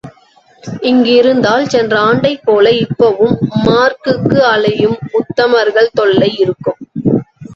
இங்கிருந்தால் சென்ற ஆண்டைப் போல இப்பவும் மார்க்குக்கு அலையும் உத்தமர்கள் தொல்லை இருக்கும்.